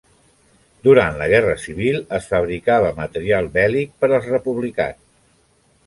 Durant la guerra civil, es fabricava material bèl·lic per als republicans.